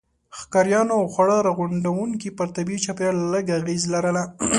ښکاریانو او خواړه راغونډوونکو پر طبيعي چاپیریال لږ اغېزه لرله.